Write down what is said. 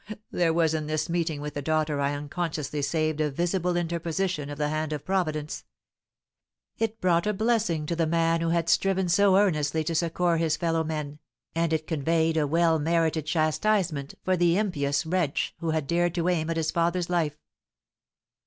Oh, there was in this meeting with a daughter I unconsciously saved a visible interposition of the hand of Providence! It brought a blessing to the man who had striven so earnestly to succour his fellow men, and it conveyed a well merited chastisement for the impious wretch who had dared to aim at his father's life!"